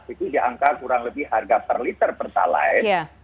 itu diangka kurang lebih harga per liter per pallet